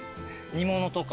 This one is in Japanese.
煮物とか。